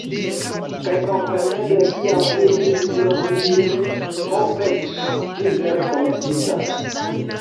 Kaj kompreneble kiam vi vidis tion mi diris, "Ho fek'! Ĝi vere komenciĝas!"